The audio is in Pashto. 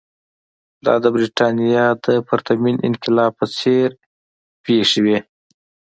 دا د برېټانیا د پرتمین انقلاب په څېر پېښې وې.